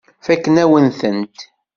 Fakkent-awen-tent.